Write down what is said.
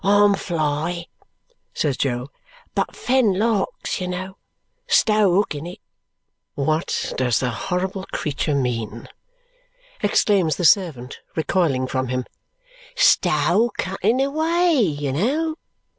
"I'm fly," says Jo. "But fen larks, you know. Stow hooking it!" "What does the horrible creature mean?" exclaims the servant, recoiling from him. "Stow cutting away, you know!"